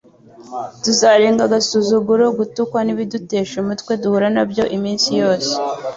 tuzarenga agasuzuguro, gutukwa n'ibidutesha umutwe duhura na byo iminsi yose,